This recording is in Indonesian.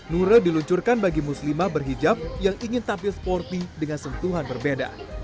nura diluncurkan bagi muslimah berhijab yang ingin tampil sporty dengan sentuhan berbeda